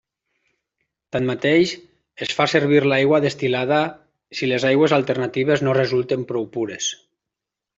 Tanmateix, es fa servir l'aigua destil·lada si les aigües alternatives no resulten prou pures.